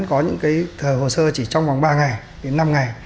có những cái thờ hồ sơ chỉ trong vòng ba ngày đến năm ngày